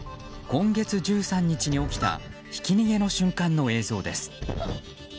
今月１３日に起きたひき逃げの瞬間の映像です。